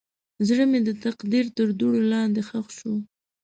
زړه مې د تقدیر تر دوړو لاندې ښخ شو.